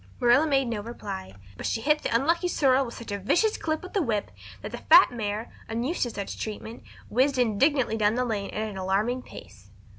Marilla made no reply, but she hit the unlucky sorrel such a vicious clip with the whip that the fat mare, unused to such treatment, whizzed indignantly down the lane at an alarming pace.